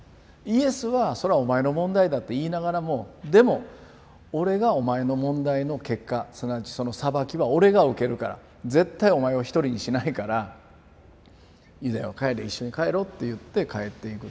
イエスはそれはお前の問題だって言いながらもでも俺がお前の問題の結果すなわちその裁きは俺が受けるから絶対お前を一人にしないからユダよ一緒に帰ろうって言って帰っていく。